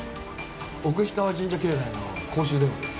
奥氷川神社境内の公衆電話です。